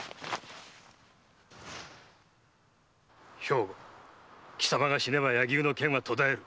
〔兵庫貴様が死ねば柳生の剣は途絶える。